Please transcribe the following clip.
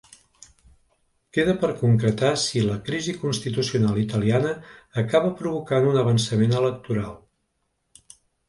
Queda per concretar si la crisi constitucional italiana acaba provocant un avançament electoral.